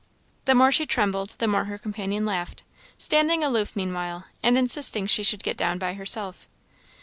The more she trembled the more her companion laughed, standing aloof meanwhile, and insisting she should get down by herself.